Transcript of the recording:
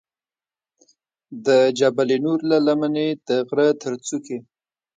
د جبل نور له لمنې د غره تر څوکې.